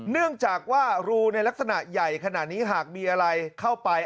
เนื่องจากว่ารูในลักษณะใหญ่ขนาดนี้หากมีอะไรเข้าไป